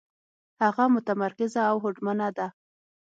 هغه متمرکزه او هوډمنه ده.